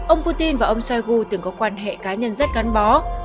ông putin và ông shoigu từng có quan hệ cá nhân rất gắn bó